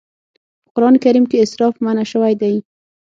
په قرآن کريم کې اسراف منع شوی دی.